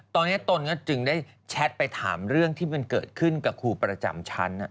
ตอนนี้ตนก็จึงได้แชทไปถามเรื่องที่มันเกิดขึ้นกับครูประจำชั้น